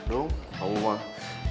dung kamu mah